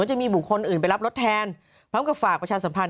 จะมีบุคคลอื่นไปรับรถแทนพร้อมกับฝากประชาสัมพันธ